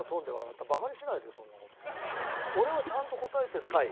俺はちゃんと答えてるから。